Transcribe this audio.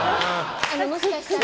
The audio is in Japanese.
もしかしたら。